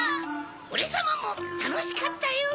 おれさまもたのしかったよ。